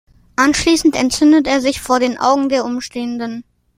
Anschließend entzündet er sich vor den Augen der Umstehenden.